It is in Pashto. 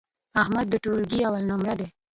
احمد د ټولگي اول نمره دی.